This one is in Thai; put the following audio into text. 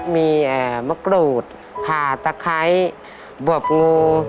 มีมะกรูดขาตะไคร้บวบงู